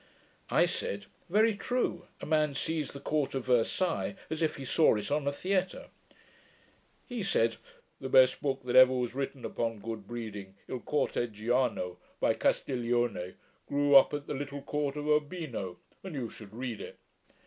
I said, 'Very true: a man sees the court of Versailles, as if he saw it on a theatre.' He said, 'The best book that ever was written upon good breeding, Il Corteggiano, by Castiglione, grew up at the little court of Urbino, and you should read it.'